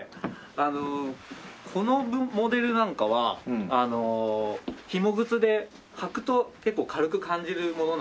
あのこのモデルなんかは紐靴で履くと結構軽く感じるものなので。